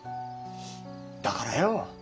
だからよ。